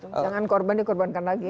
jangan korban dikorbankan lagi